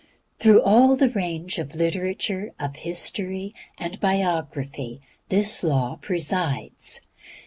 Through all the range of literature, of history, and biography this law presides.